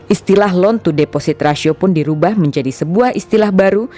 istilah loan to deposit ratio pun dirubah menjadi sebuah istilah baru